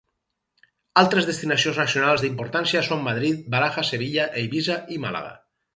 Altres destinacions nacionals d'importància són Madrid-Barajas, Sevilla, Eivissa i Màlaga.